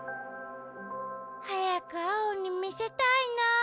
はやくアオにみせたいなあ。